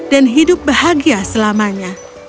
dan hidup bahagia selamanya